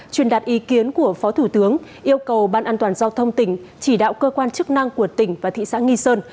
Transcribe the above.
truyền đạt ý kiến của phó thủ tướng yêu cầu ban an toàn giao thông tỉnh chỉ đạo cơ quan chức năng của tỉnh và thị xã nghi sơn